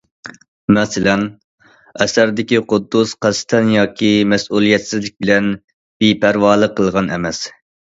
مەسىلەن: ئەسەردىكى قۇددۇس قەستەن ياكى مەسئۇلىيەتسىزلىك بىلەن بىپەرۋالىق قىلغان ئەمەس.